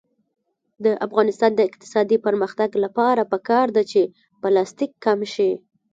د افغانستان د اقتصادي پرمختګ لپاره پکار ده چې پلاستیک کم شي.